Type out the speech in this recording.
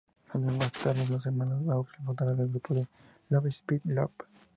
Años más tarde los hermanos Butler fundaron el grupo Love Spit Love.